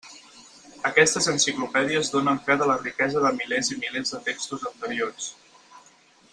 Aquestes enciclopèdies donen fe de la riquesa de milers i milers de textos anteriors.